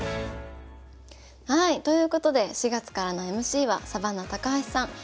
はいということで４月からのＭＣはサバンナ高橋さん